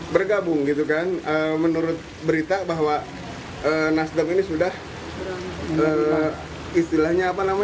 bergabung gitu kan menurut berita bahwa nasdem ini sudah menerima hasil keputusan dan mengucapkan selamat